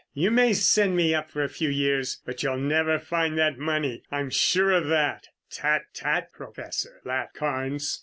You may send me up for a few years, but you'll never find that money. I'm sure of that." "Tut, tut, Professor," laughed Carnes.